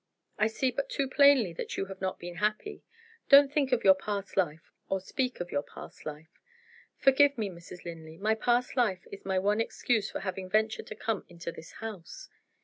I see but too plainly that you have not been happy. Don't think of your past life, or speak of your past life." "Forgive me, Mrs. Linley; my past life is my one excuse for having ventured to come into this house."